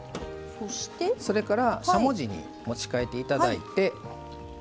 それからしゃもじに持ち替えていただいて